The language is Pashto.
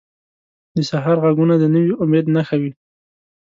د سهار ږغونه د نوي امید نښه وي.